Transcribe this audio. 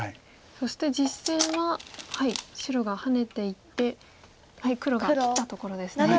そして実戦は白がハネていって黒が切ったところですね。